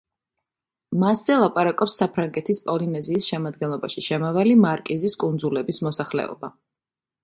მასზე ლაპარაკობს საფრანგეთის პოლინეზიის შემადგენლობაში შემავალი მარკიზის კუნძულების მოსახლეობა.